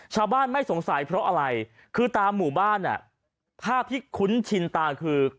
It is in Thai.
ชาวบ้านไม่สงสัยเพราะอะไรคือตามหมู่บ้านภาพที่คุ้นชินตาคือ